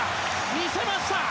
見せました！